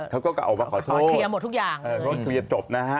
เขาก็ออกมาขอโทษเคลียร์หมดทุกอย่างก็เคลียร์จบนะฮะ